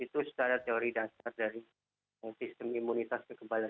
itu secara teori dasar dari sistem imunitas kekebalan